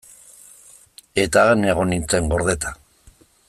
Eta han egon nintzen, gordeta.